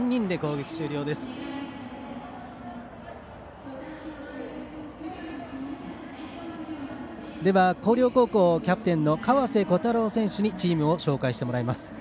では広陵高校キャプテンの川瀬虎太朗選手にチームを紹介してもらいます。